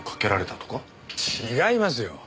違いますよ。